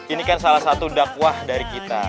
ini kan salah satu dakwah dari kita